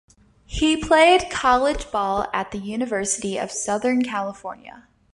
He played college ball at the University of Southern California.